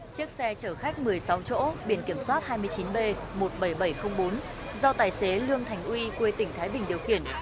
chiếc xe chở khách một mươi sáu chỗ biển kiểm soát hai mươi chín b một mươi bảy nghìn bảy trăm linh bốn do tài xế lương thành uy quê tỉnh thái bình điều khiển